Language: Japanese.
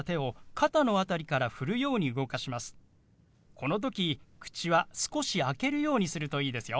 この時口は少し開けるようにするといいですよ。